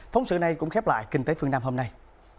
phóng sự này cũng khép lại kinh tế phương nam hôm nay